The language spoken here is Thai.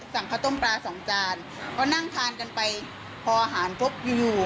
สั่งข้าวต้มปลาสองจานก็นั่งทานกันไปพออาหารปุ๊บอยู่อยู่